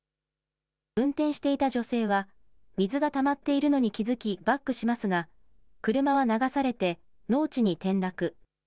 運転していた女性は水がたまっているのに気付きバックしますが車は流されて農地に転落。